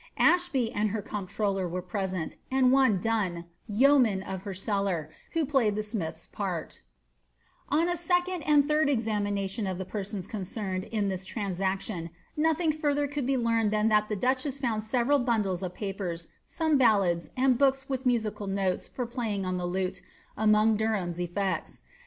Ashby and her comptroller were present, and one Dunn, yeoman of her cellar, who played the smith's part"' On a second and third examination of the persons concerned in this transaction, nothing furtlier could be learned than that the duchess foood several bundles of papers, some ballads, and books with musical notei for playing on the lute, among Derham's effects.